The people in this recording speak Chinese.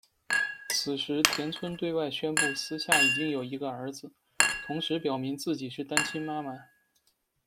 此时，田村对外宣布私下已经有一个儿子，同时表明自己是单亲妈妈。